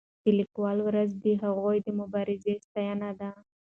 د لیکوالو ورځ د هغوی د مبارزې ستاینه ده.